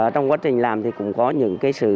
trong quá trình làm thì cũng có những sự